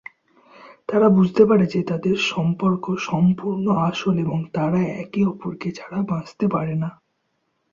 তারা বুঝতে পারে যে তাদের সম্পর্ক সম্পূর্ণ আসল এবং তারা একে অপরকে ছাড়া বাঁচতে পারে না।